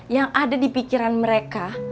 yang ada di pikiran mereka